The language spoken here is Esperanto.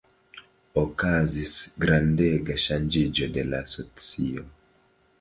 Okazis grandega ŝanĝiĝo de la socio.